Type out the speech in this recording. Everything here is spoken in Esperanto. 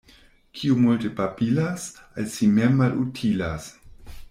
Kiu multe babilas, al si mem malutilas.